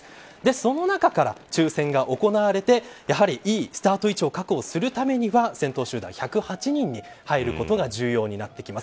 その中から抽選が行われてやはり、いいスタート位置を確保するためには先頭集団１０８人に入ることが重要になってきます。